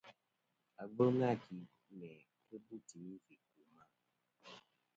Agvɨl nâ ki mæ kɨ bu timi fɨ̀ ku ma.